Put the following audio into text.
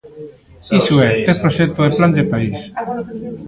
¡Iso é ter proxecto e plan de país!